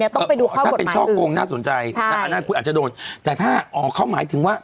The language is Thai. ถ้าเป็นช่อกงน่าสนใจอันนั้นคุยอาจจะโดนแต่ถ้าเข้าหมายถึงว่า